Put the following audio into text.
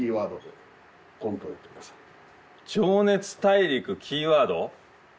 「情熱大陸」キーワード？